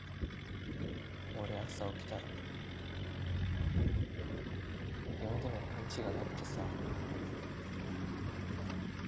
俺朝起きたら呼んでも返事がなくてさ。